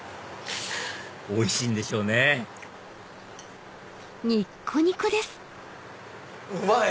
おいしいんでしょうねうまい！